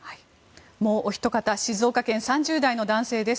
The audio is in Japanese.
もうおひと方静岡県、３０代の男性です。